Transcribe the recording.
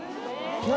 何？